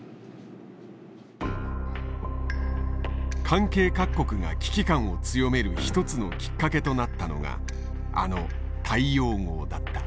関係各国が危機感を強める一つのきっかけとなったのがあの大洋号だった。